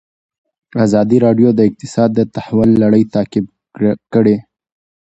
ازادي راډیو د اقتصاد د تحول لړۍ تعقیب کړې.